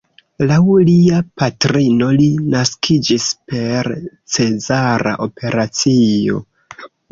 Laŭ lia patrino li naskiĝis per cezara operacio.